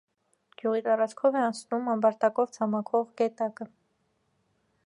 Գյուղի տարածքով է անցնում ամբարտակով ցամաքող գետակը։